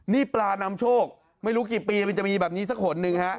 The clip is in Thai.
นี่ปลานำโชคไม่รู้กี่ปีมันจะมีแบบนี้สักหนหนึ่งฮะ